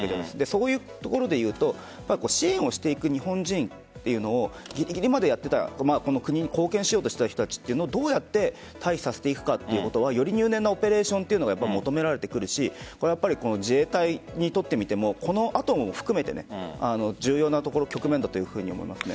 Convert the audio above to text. そういうところでいうと支援をしていく日本人というのをぎりぎりまで国に貢献しようとしていた人たちをどうやって退避させていくかということはより入念なオペレーションが求めれてくるし自衛隊にとってみてもこの後も含めて重要な局面だと思います。